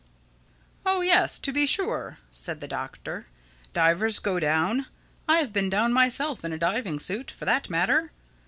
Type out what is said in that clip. "Oh yes, to be sure," said the Doctor. "Divers go down. I've been down myself in a diving suit, for that matter.